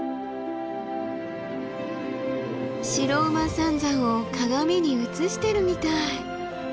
白馬三山を鏡に映してるみたい。